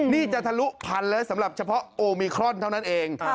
นี่จะทะลุพันแล้วสำหรับเฉพาะโอมิครอนเท่านั้นเอง